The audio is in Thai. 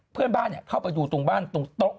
เพื่อนบ้านเข้าไปดูตรงบ้านตรงโต๊ะ